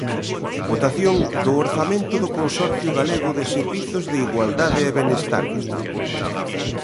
Votación do orzamento do Consorcio Galego de Servizos de Igualdade e Benestar.